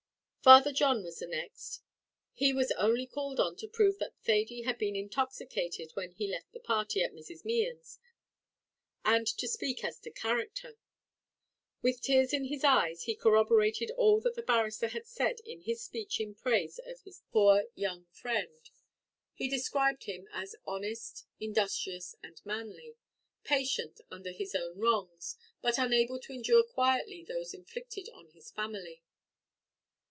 Father John was the next; he was only called on to prove that Thady had been intoxicated when he left the party at Mrs. Mehan's, and to speak as to character. With tears in his eyes he corroborated all that the barrister had said in his speech in praise of his poor young friend; he described him as honest, industrious, and manly patient under his own wrongs, but unable to endure quietly those inflicted on his family.